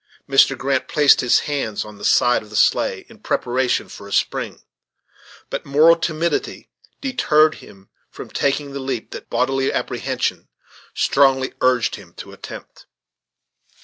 Mr. Grant placed his hands on the side of the sleigh, in preparation for a spring, but moral timidity deterred him from taking the leap that bodily apprehension strongly urged him to attempt.